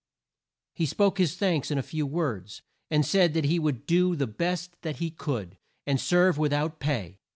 He spoke his thanks in a few words, and said that he would do the best that he could, and serve with out pay.